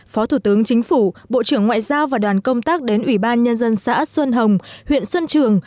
phó thủ tướng chính phủ bộ trưởng ngoại giao và đoàn công tác đến ủy ban nhân dân xã xuân hồng huyện xuân trường